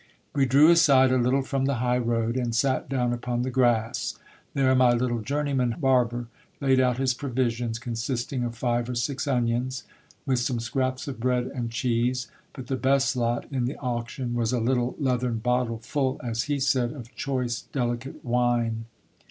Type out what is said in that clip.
We drew aside a little from the high road, and sat down upon the grass. There my little journeyman barber laid out his provisions, consisting of five or six onions, with some scraps of bread and cheese ; but the best lot in the auction was a little leathern bottle, full, as he said, of choice, delicate wine.